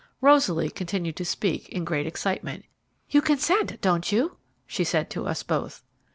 Rosaly continued to speak, in great excitement "You consent, don't you?" she said to us both.